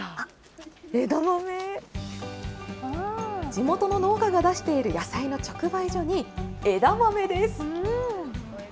地元の農家が出している野菜の直売所に、枝豆です。